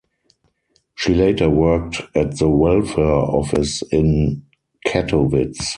She later worked at the welfare office in Kattowitz.